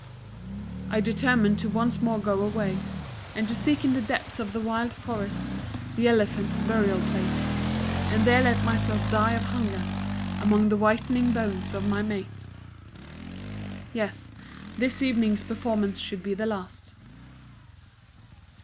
I determined to once more go away, and to seek in the depths of the wild forests the elephants' Burial Place, and there let myself die of hunger, among the whitening bones of my mates. Yes, this evening's performance should be the last.